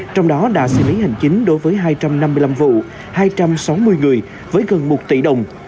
trong đó đã xử lý hành chính đối với hai trăm năm mươi năm vụ hai trăm sáu mươi người với gần một tỷ đồng